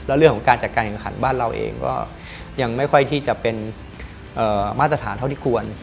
แล้วเรื่องของการจัดการแข่งขันบ้านเราเองก็ยังไม่ค่อยที่จะเป็นมาตรฐานเท่าที่ควร